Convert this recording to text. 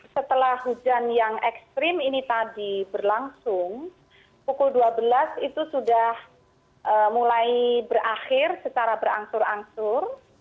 setelah hujan yang ekstrim ini tadi berlangsung pukul dua belas itu sudah mulai berakhir secara berangsur angsur